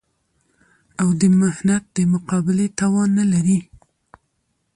او د محنت د مقابلې توان نه لري